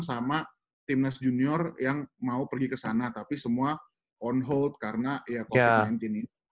sama timnas junior yang mau pergi ke sana tapi semua on hold karena ya covid sembilan belas ini